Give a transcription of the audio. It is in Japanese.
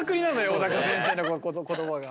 小高先生の言葉が。